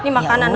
ini makanan aja